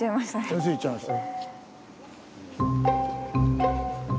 先生行っちゃいました。